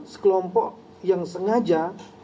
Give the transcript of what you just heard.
sekelompok yang sengaja